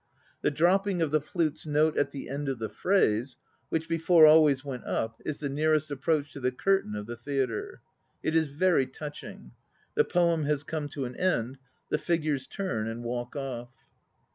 The dropping of the flute's note at the end of the phrase, which before always went up, is the nearest ap proach to the 'curtain' of the theatre. It is very touching. The poem has come to an end. The figures turn and walk off.